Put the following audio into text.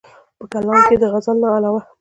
پۀ کلام کښې ئې د غزل نه علاوه